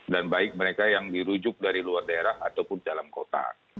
dan baik mereka yang dirujuk dari luar daerah ataupun dalam kota